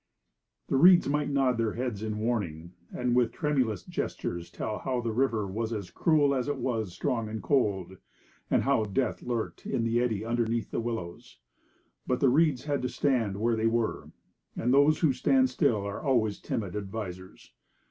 The reeds might nod their heads in warning, and with tremulous gestures tell how the river was as cruel as it was strong and cold, and how death lurked in the eddy underneath the willows. But the reeds had to stand where they were; and those who stand still are always timid advisers.